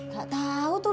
gak tau tuh